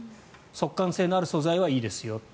速乾性のある素材はいいですよと。